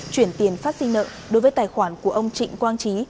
chuyển tiền phát sinh nợ đối với tài khoản của ông trịnh quang trí